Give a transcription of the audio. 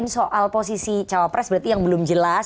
soal posisi cawapres berarti yang belum jelas